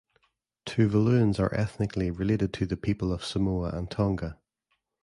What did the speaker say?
Tuvaluans are ethnically related to the people of Samoa and Tonga.